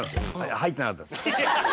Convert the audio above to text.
入ってなかったです。